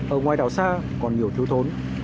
ở ngoài đảo xa còn nhiều thiếu thốn